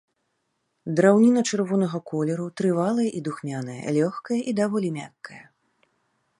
Драўніна чырвонага колеру, трывалая і духмяная, лёгкая і даволі мяккая.